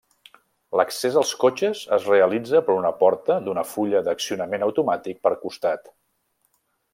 L'accés als cotxes es realitza per una porta d'una fulla d'accionament automàtic per costat.